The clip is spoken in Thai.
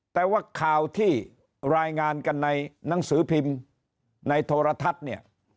แต่ว่าข่าวที่รายงานกันในหนังสือพิมพ์ในโทรทัศน์เนี่ย